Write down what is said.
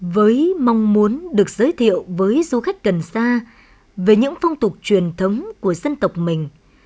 với mong muốn được giới thiệu với du khách gần xa về những phong tục truyền thống của dân tộc mình